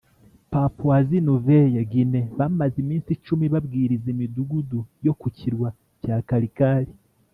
Papouasie Nouvelle Guinee bamaze iminsi icumi babwiriza imidugudu yo ku kirwa cya Karkar